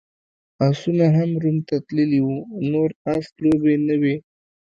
اسونه هم روم ته تللي وو، نور اس لوبې نه وې.